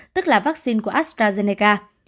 tức là vaccine của astrazeneca